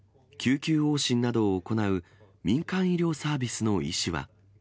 救急往診などを行う民間医療サービスの医師は。